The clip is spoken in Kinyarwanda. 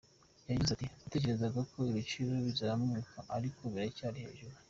Yagize ati “Natekerezaga ko ibiciro bizamanuka ariko biracyari hejuru.